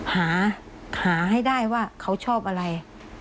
หาให้ได้ว่าเขาชอบอะไร